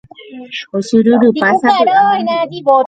Ochyryrypa sapy'a mandi'o.